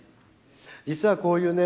実はこういうね